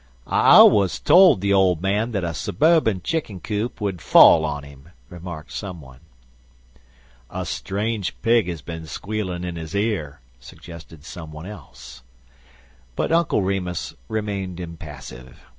"I always told the old man that a suburban chicken coop would fall on him," remarked some one. "A strange pig has been squealing in his ear," suggested some one else. But Uncle Remus remained impassive.